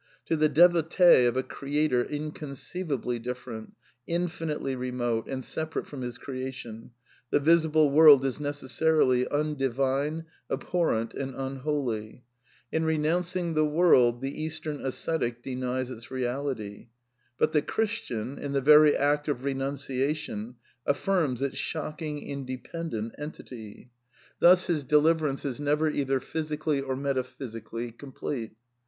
To the devotee of a Creator inconceivably different, in finitely remote and separate from his creation, the visible world is necessarily undivine, abhorrent and unholy. In renouncing the world the Eastern ascetic denies its real ity. But the Christian, in the very act of renunciation, affirms its shocking independent entity. Thus his deliver THE NEW MYSTICISM 279 ance is never either physically or metaphysically complete.